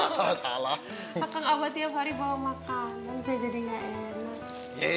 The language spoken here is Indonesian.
pak kang abad tiap hari bawa makanan saya jadi enak